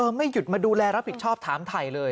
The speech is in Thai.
ไม่หยุดมาดูแลรับผิดชอบถามถ่ายเลย